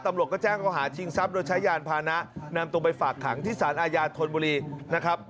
ตำรวจก็แจ้งเขาหาชิงทรัพย์โดยใช้ยานพานะนำตัวไปฝากขังที่สารอาญาธนบุรีนะครับ